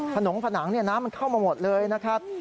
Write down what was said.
ผนงผนังน้ำมันเข้ามาหมดเลยนะครับ